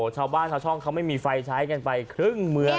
ชาวบ้านชาวช่องเขาไม่มีไฟใช้กันไปครึ่งเมือง